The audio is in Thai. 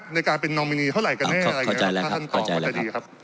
ในการเป็นนอมินีเท่าไหรกันแน่อะไรอย่างนี้ครับถ้าท่านตอบก็จะดีครับ